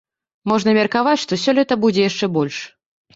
Можна меркаваць, што сёлета будзе яшчэ больш.